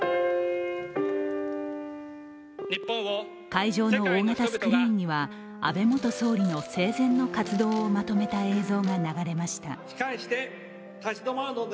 会場の大型スクリーンには、安倍元総理の生前の活動をまとめた映像が流れました。